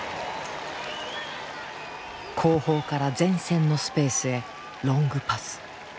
後方から前線のスペースへロングパス。